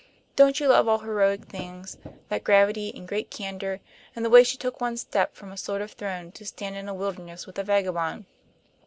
Don't you love all heroic things, that gravity and great candor, and the way she took one step from a sort of throne to stand in a wilderness with a vagabond?